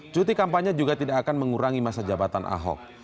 cuti kampanye juga tidak akan mengurangi masa jabatan ahok